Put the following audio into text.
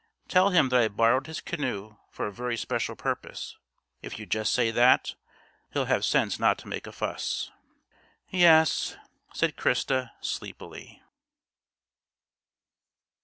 Tell him that I borrowed his canoe for a very special purpose. If you just say that, he'll have sense not to make a fuss." "Yes," said Christa sleepily.